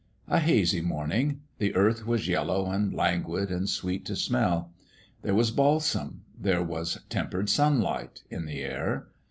A hazy morning : the earth was yellow and languid and sweet to smell. There was balsam there was tempered sunlight in the air.